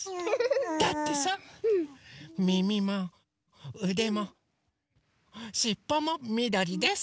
だってさみみもうでもしっぽもみどりです。